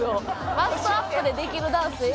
バストアップでできるダンスええのよ。